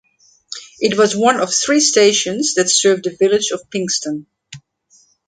It was one of three stations that served the village of Pinxton.